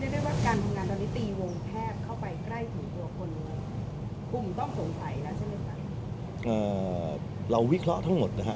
เริ่มมีบางส่วนมาแล้วนะครับเริ่มมีบางส่วนมาแล้วนะครับ